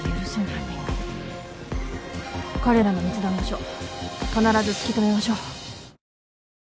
彼らの密談場所必ず突き止めましょう。